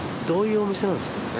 どういうお店なんですか？